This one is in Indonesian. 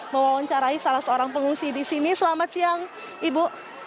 mewawancarai salah seorang pengungsi di sini selamat siang ibu